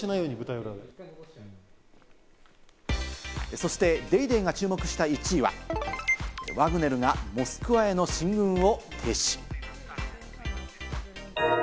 そして『ＤａｙＤａｙ．』が注目した１位は、ワグネルがモスクワへの進軍を停止。